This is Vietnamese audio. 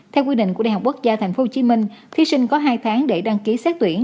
theo quy định của đại học quốc gia tp hcm thí sinh có hai tháng để đăng ký xét tuyển